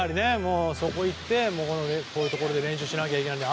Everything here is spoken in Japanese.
そこに行ってこういうところで練習をしないといけないと。